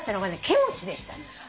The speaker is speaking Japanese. キムチでしたね。